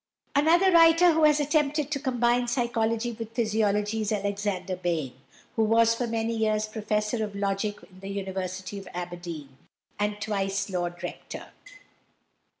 Another writer who has attempted to combine psychology with physiology is =Alexander Bain (1818 )=, who was for many years Professor of Logic in the University of Aberdeen, and twice Lord Rector.